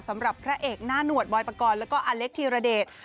สำหรับพระเอกหน้าหนวดบอยปกรณ์แล้วก็อเล็กธีรเดช